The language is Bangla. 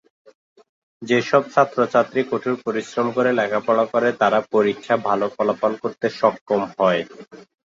যেসব ছাত্রছাত্রী কঠোর পরিশ্রম করে লেখাপড়া করে তারাই পরীক্ষা ভালো ফলাফল করতে সক্ষম হয়।